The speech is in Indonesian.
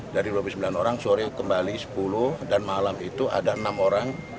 dari dua puluh sembilan orang sore kembali sepuluh dan malam itu ada enam orang